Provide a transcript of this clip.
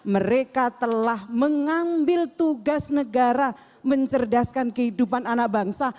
mereka telah mengambil tugas negara mencerdaskan kehidupan anak bangsa